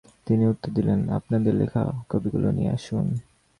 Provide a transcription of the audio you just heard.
তিনি উত্তর দিলেন- "আপনাদের লেখা কপিগুলো নিয়ে আসুন।